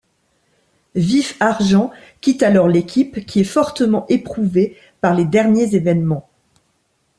Vif-Argent quitte alors l'équipe, qui est fortement éprouvée par les derniers événements.